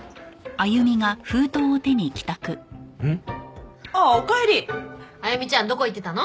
歩ちゃんどこ行ってたの？